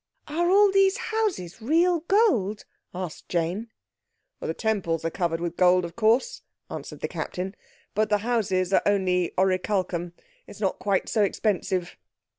"Are all these houses real gold?" asked Jane. "The temples are covered with gold, of course," answered the Captain, "but the houses are only oricalchum. It's not quite so expensive."